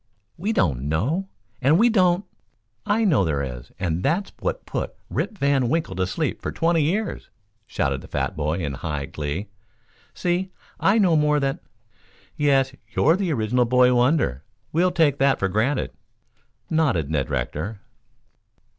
"We don't know, and we don't " "I know there is, and that's what put Rip Van Winkle to sleep for twenty years," shouted the fat boy in high glee. "See, I know more than " "Yes; you're the original boy wonder. We'll take that for granted," nodded Ned Rector.